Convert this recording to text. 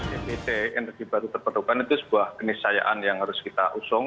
ebt energi baru terperdukannya itu sebuah penisayaan yang harus kita usung